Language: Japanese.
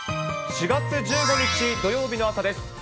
４月１５日土曜日の朝です。